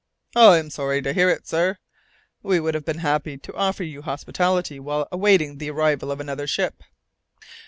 "I am sorry to hear it, sir. We should have been happy to offer you hospitality while awaiting the arrival of another ship."